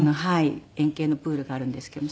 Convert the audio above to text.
円形のプールがあるんですけども。